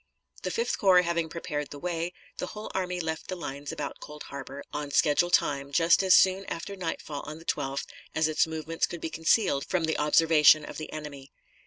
The Fifth Corps having prepared the way, the whole army left the lines about Cold Harbor on schedule time, just as soon after nightfall on the 12th as its movements could be concealed from the observation of the enemy.